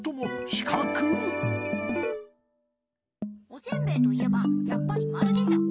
おせんべいといえばやっぱりまるでしょ。